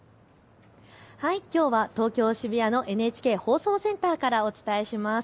きょうは東京渋谷のＮＨＫ放送センターからお伝えします。